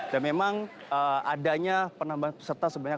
dan memang adanya penambahan peserta sebanyak satu tiga ratus delapan puluh lima